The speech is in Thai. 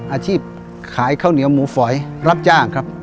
อาชีพขายข้าวเหนียวหมูฝอยรับจ้างครับ